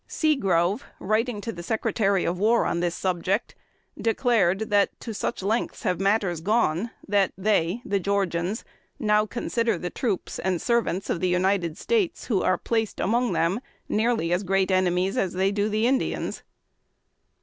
Seagrove, writing to the Secretary of War on this subject, declared, that "to such lengths have matters gone, that they (the Georgians) now consider the troops and servants of the United States who are placed among them, nearly as great enemies as they do the Indians."